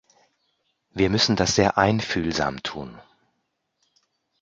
Wir müssen das sehr einfühlsam tun.